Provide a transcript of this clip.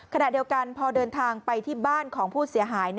ขณะเดียวกันพอเดินทางไปที่บ้านของผู้เสียหาย